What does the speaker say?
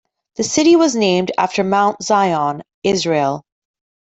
The city was named after Mount Zion, Israel.